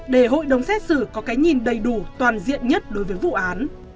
để hội đồng xét xử có cái nhìn đầy đủ toàn diện nhất đối với vụ án